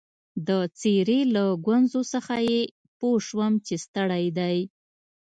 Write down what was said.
د څېرې له ګونجو څخه يې پوه شوم چي ستړی دی.